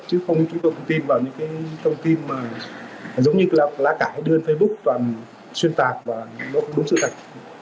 chứ không chúng tôi cũng tin vào những cái thông tin mà giống như là lá cải đưa trên facebook toàn xuyên tạc và nó cũng đúng sự thật